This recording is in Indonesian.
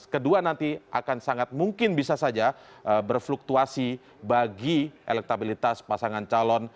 kedua nanti akan sangat mungkin bisa saja berfluktuasi bagi elektabilitas pasangan calon